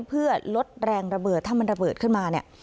เพื่อลดแรงระเบิดถ้ามันระเบิดขึ้นมาเนี่ย